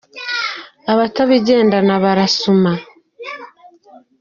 Abatabigendana barasuma